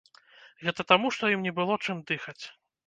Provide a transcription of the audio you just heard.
Гэта таму, што ім не было чым дыхаць.